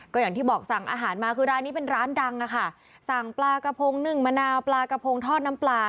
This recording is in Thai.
ก็อย่างที่บอกสั่งอาหารมาคือร้านนี้เป็นร้านดังอะค่ะสั่งปลากระพงนึ่งมะนาวปลากระพงทอดน้ำปลา